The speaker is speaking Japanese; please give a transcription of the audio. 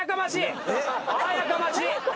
あやかましい。